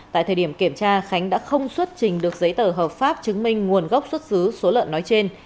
tại thời điểm kiểm tra khánh đã không xuất trình được giấy tờ hợp pháp chứng minh nguồn gốc xuất xứ số lợn nói trên